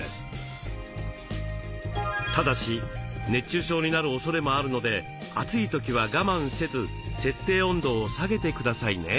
ただし熱中症になる恐れもあるので暑い時は我慢せず設定温度を下げてくださいね。